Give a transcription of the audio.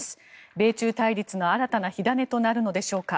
米中対立の新たな火種となるのでしょうか。